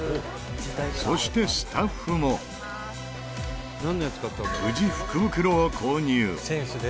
そしてスタッフも無事、福袋を購入